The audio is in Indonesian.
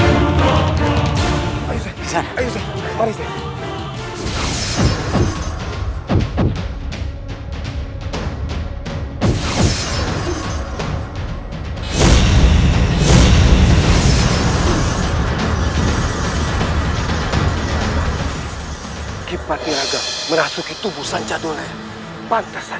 eki padirga deras arab